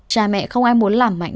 cha mẹ không ai muốn làm mạnh